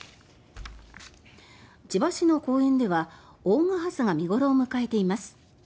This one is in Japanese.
千葉市の公園ではオオガハスが見頃を迎えています。